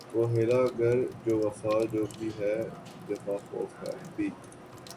وہ حیلہ گر جو وفا جو بھی ہے جفاخو بھی